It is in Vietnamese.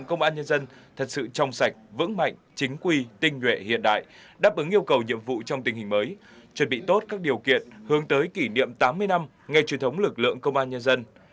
công an nhân dân thật sự trong sạch vững mạnh chính quy tinh nhuệ hiện đại đáp ứng yêu cầu nhiệm vụ trong tình hình mới chuẩn bị tốt các điều kiện hướng tới kỷ niệm tám mươi năm ngày truyền thống lực lượng công an nhân dân